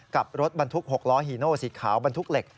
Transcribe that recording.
กับรถบรรทุก๖ล้อฮีโนสีขาวบรรทุกเหล็ก